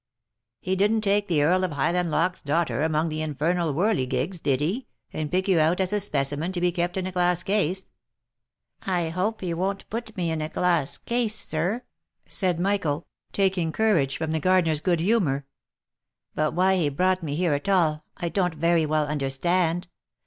He didn't take the Earl of Highlandloch's daughter among the infernal whirligigs, did he, and pick you out as a specimen to be kept in a glass case ?" u I hope he won't put me in a glass case, sir," said Michael, taking courage from the gardener's good humour ; "but why he brought me here at all, I don't very well understand.